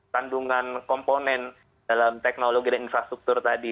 kandungan komponen dalam teknologi dan infrastruktur tadi